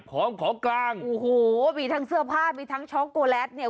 ของของกลางโอ้โหมีทั้งเสื้อผ้ามีทั้งช็อกโกแลตเนี่ย